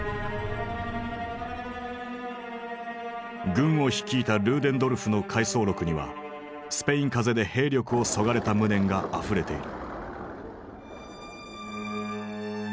軍を率いたルーデンドルフの回想録にはスペイン風邪で兵力をそがれた無念があふれている。